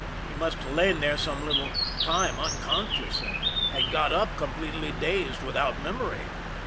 He must have lain there some little time unconscious, and had got up completely dazed, without memory.